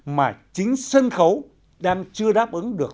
mà chính sân khấu đang chưa đáp ứng được